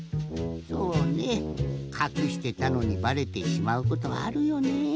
そうねかくしてたのにバレてしまうことあるよね。